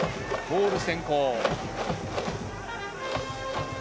ボール先行。